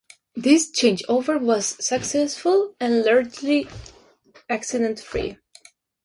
This change over was successful and largely accident free.